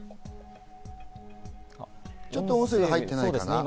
ちょっと音声が入ってないかな。